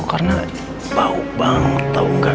karena bau banget tau gak